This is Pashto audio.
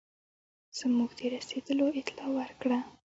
زموږ د رسېدلو اطلاع ورکړه.